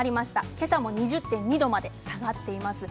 今朝も２０．２度まで下がっています。